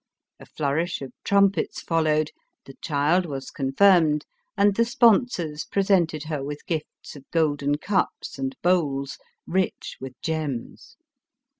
A flourish of trumpets followed, the child was confirmed, and the sponsors presented her with gifts of golden cups and bowls, rich with gems.